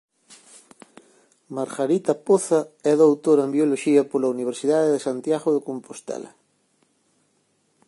Margarita Poza é doutora en Bioloxía pola Universidade de Santiago de Compostela.